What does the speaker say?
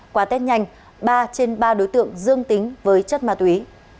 qua tết nhanh ba trên ba đối tượng dương tính với chất ma túy